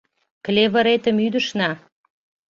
Клевыретым ӱдышна